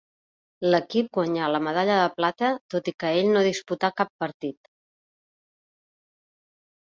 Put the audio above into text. L'equip guanyà la medalla de plata, tot i que ell no disputà cap partit.